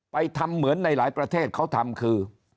ทำเหมือนในหลายประเทศเขาทำคือ